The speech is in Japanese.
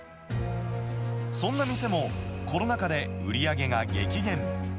そんな店も、コロナ禍で売り上げが激減。